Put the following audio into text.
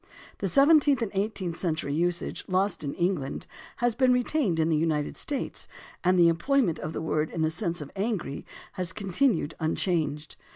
The seventeenth and eighteenth century usage, lost in England, has been retained in the United States, and the employment of the word in the sense of angry has continued michanged.